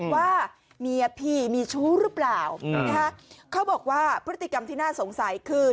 ว่าเมียพี่มีชู้หรือเปล่าเขาบอกว่าพฤติกรรมที่น่าสงสัยคือ